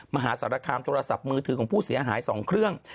มหาสารคามโทรศัพท์มือถือของผู้เสียหาย๒เครื่อง